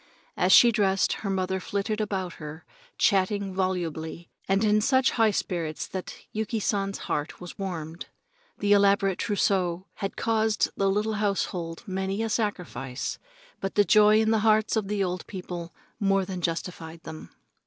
As she dressed, her mother flitted about her, chatting volubly and in such high spirits that Yuki San's heart was warmed. The elaborate trousseau had caused the little household many a sacrifice, but the joy in the hearts of the old people more than justified them.